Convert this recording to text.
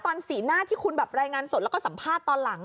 สีหน้าที่คุณแบบรายงานสดแล้วก็สัมภาษณ์ตอนหลัง